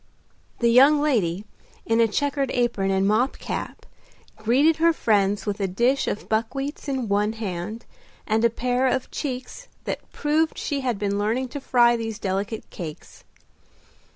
The young lady, in a checked apron and mob cap, greeted her friends with a dish of buckwheats in one hand, and a pair of cheeks that proved she had been learning to fry these delectable cakes.